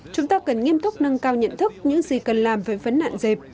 chúng ta cần nghiêm túc nâng cao nhận thức những gì cần làm về vấn nạn dẹp